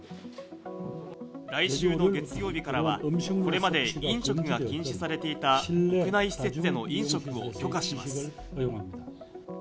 来週の月曜日からは、これまで飲食が禁止されていた屋内施設での飲食を許可します。